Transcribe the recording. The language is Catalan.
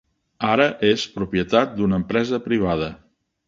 Ara és propietat d'una empresa privada.